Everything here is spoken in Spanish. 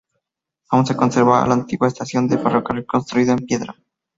Aún se conserva la antigua estación de ferrocarril construida en piedra.